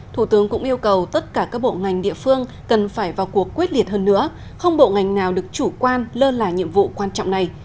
thủ tướng cũng yêu cầu tất cả các bộ ngành địa phương cần phải vào cuộc quyết liệt hơn nữa không bộ ngành nào được chủ quan lơ là nhiệm vụ quan trọng này